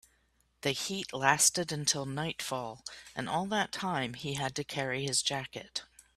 The heat lasted until nightfall, and all that time he had to carry his jacket.